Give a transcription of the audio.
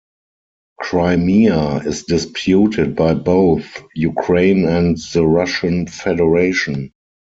Crimea is disputed by both Ukraine and the Russian Federation.